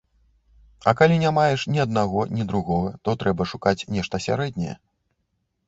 А калі не маеш ні аднаго, ні другога, то трэба шукаць нешта сярэдняе.